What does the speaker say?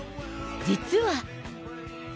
実は。